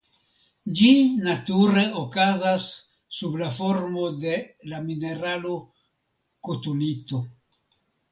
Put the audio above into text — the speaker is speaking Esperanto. Ĝi nature okazas sub la formo de la mineralo kotunito.